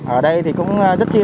ở đây thì cũng rất nhiều